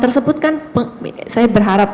tersebut kan saya berharap